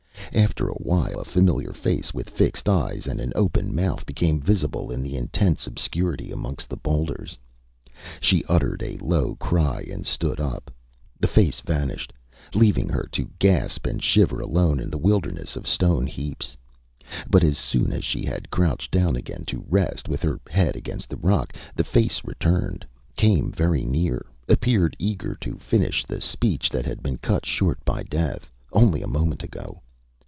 After a while a familiar face with fixed eyes and an open mouth became visible in the intense obscurity amongst the boulders. She uttered a low cry and stood up. The face vanished, leaving her to gasp and shiver alone in the wilderness of stone heaps. But as soon as she had crouched down again to rest, with her head against the rock, the face returned, came very near, appeared eager to finish the speech that had been cut short by death, only a moment ago.